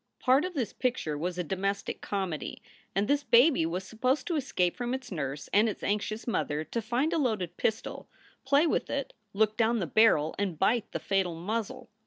Part of this picture was a domestic comedy, and this baby was supposed to escape from its nurse and its anxious mother ; to find a loaded pistol, play with it, look down the barrel, and bite the fatal muzzle.